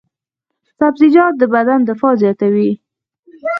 سبزیجات د بدن دفاع زیاتوي.